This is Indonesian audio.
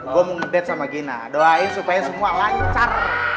doain supaya semua lancar